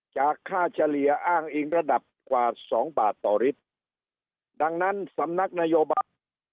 จากค่าเฉลี่ยอ้างอิงระดับกว่าสองบาทต่อลิตรดังนั้นสำนักนโยบาย